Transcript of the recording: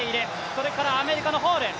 それからアメリカのホール。